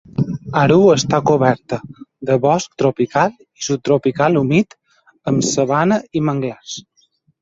Aru està coberta de bosc tropical i subtropical humit amb sabana i manglars.